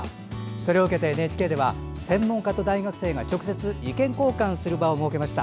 それを受けてＮＨＫでは専門家と大学生が直接意見交換する場を設けました。